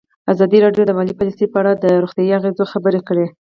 ازادي راډیو د مالي پالیسي په اړه د روغتیایي اغېزو خبره کړې.